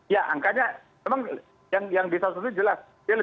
yang bisa disetujui jelas